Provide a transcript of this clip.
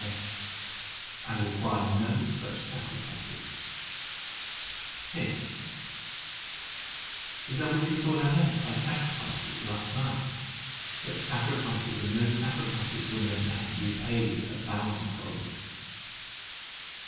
S. I require no such sacrifices. H. Is that what you thought I meant by SACRIFICES last night? But sacrifices are no sacrifices when they are repaid a thousand fold.